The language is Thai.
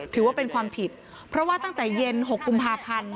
ถือว่าเป็นความผิดเพราะว่าตั้งแต่เย็น๖กุมภาพันธ์